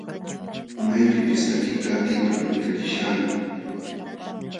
Maypipis takiyta atipal takiśhaqmi.